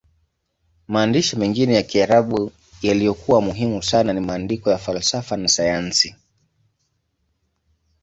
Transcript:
Maandishi mengine ya Kiarabu yaliyokuwa muhimu sana ni maandiko ya falsafa na sayansi.